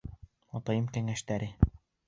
Атайым кәңәштәре